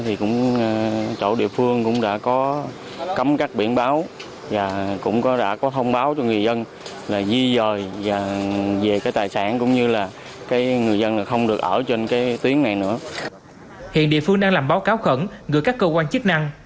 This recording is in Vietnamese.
hiện địa phương đang làm báo cáo khẩn gửi các cơ quan chức năng